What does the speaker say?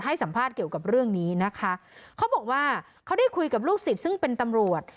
ให้สัมภาษณ์เกี่ยวกับเรื่องนี้นะคะเขาบอกว่าเขาได้คุยกับลูกศิษย์ซึ่งเป็นตำรวจ